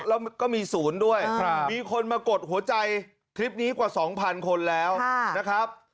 แล้วก็มีศูนย์ด้วยมีคนมากดหัวใจคลิปนี้กว่า๒๐๐คนแล้วนะครับ